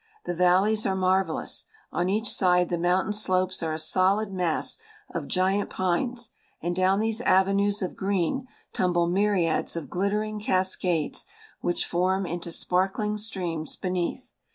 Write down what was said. The valleys are marvellous. On each side the mountain slopes are a solid mass of giant pines and down these avenues of green tumble myriads of glittering cascades which form into sparkling streams beneath.